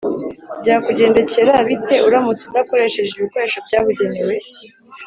Byakugendekera bite uramutse udakoresheje ibikoresho byabugenewe?